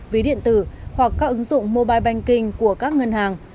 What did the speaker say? ví điện tử hoặc các ứng dụng mobile banking của các ngân hàng